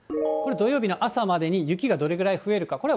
これ土曜日の朝までに、雪がどれぐらい増えるか。